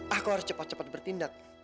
aku harus cepat cepat bertindak